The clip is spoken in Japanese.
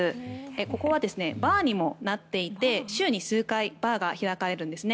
ここはバーにもなっていて週に数回バーが開かれるんですね。